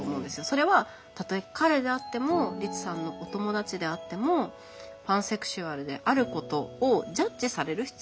それはたとえ彼であってもリツさんのお友達であってもパンセクシュアルであることをジャッジされる必要もない。